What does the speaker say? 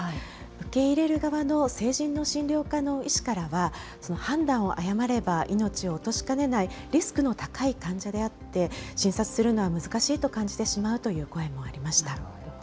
受け入れる側の成人の診療科の医師からは、判断を誤れば命を落としかねないリスクの高い患者であって、診察するのは難しいと感じてしまうという声もありました。